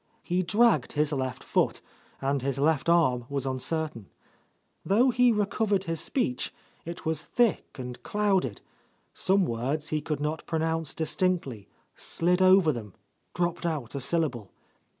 He dragged his left foot, and his left arm was uncertain. Though he recovered his speech, it was thick and clouded; some words he could not pronounce distinctly, — slid over them, dropped out a syllable.